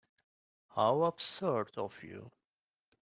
How absurd of you!